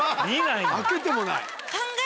開けてもない。